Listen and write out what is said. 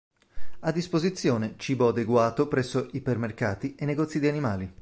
A disposizione cibo adeguato presso ipermercati e negozi di animali.